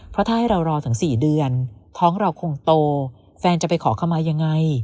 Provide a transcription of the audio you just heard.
เพราะถ้าให้เรารอถึง๔เดือนท้องเราคงโตแฟนจะไปขอขมายังไง